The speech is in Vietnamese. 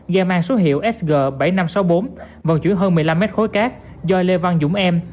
dây mang số hiệu sg bảy nghìn năm trăm sáu mươi bốn vận chuyển hơn một mươi năm mét khối cát do lê văn dũng em